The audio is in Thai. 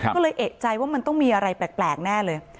ก็เลยเอกใจว่ามันต้องมีอะไรแปลกแน่เลย